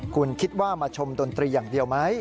คุณคิดว่ามาชมดนตรีอย่างเดียวไหม